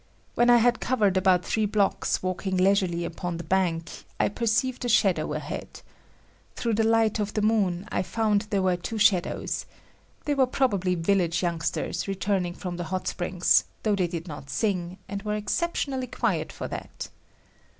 When I had covered about three blocks walking leisurely upon the bank, I perceived a shadow ahead. Through the light of the moon, I found there were two shadows. They were probably village youngsters returning from the hot springs, though they did not sing, and were exceptionally quiet for that.